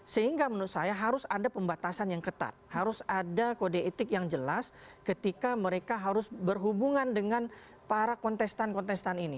sehingga menurut saya harus ada pembatasan yang ketat harus ada kode etik yang jelas ketika mereka harus berhubungan dengan para kontestan kontestan ini